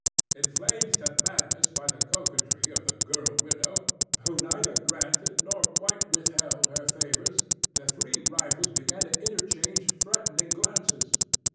Inflamed to madness by the coquetry of the girl widow, who neither granted nor quite withheld her favors, the three rivals began to interchange threatening glances.